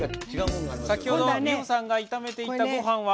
先ほど美穂さんが炒めてたごはんは。